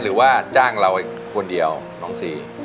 หรือว่าจ้างเราคนเดียวน้องซี